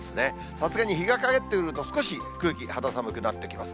さすがに日が陰ってくると、少し空気が肌寒くなってきます。